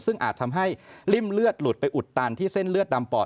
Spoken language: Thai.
ซึ่งอาจทำให้ริ่มเลือดหลุดไปอุดตันที่เส้นเลือดดำปอด